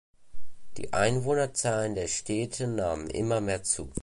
Die Einwohnerzahlen der Städte nahmen immer mehr zu.